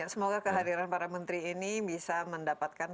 semoga kehadiran para menteri ini bisa mendapatkan